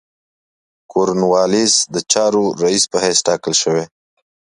کورن والیس د چارو رییس په حیث تاکل شوی.